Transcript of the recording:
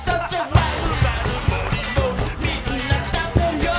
まるまるもりもり、みんな食べよう。